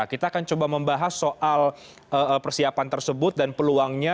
kita akan coba membahas soal persiapan tersebut dan peluangnya